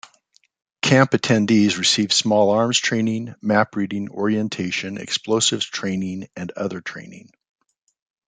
Camp attendees received small-arms training, map-reading, orientation, explosives training, and other training.